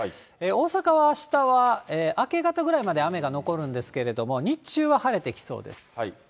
大阪はあしたは明け方ぐらいまで雨が残るんですけれども、日中は晴れてきそうです。